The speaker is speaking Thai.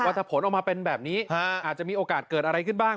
ถ้าผลออกมาเป็นแบบนี้อาจจะมีโอกาสเกิดอะไรขึ้นบ้าง